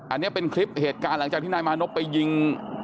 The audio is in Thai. อันนี้เป็นคลิปเหตุการณ์หลังจากที่นายมานพไปยิง